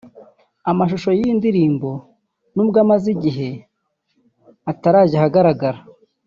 Amashusho y’iyi ndirimbo n’ubwo amaze igihe atarajya ahagaragara